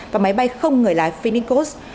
và máy bay không người lái finnecos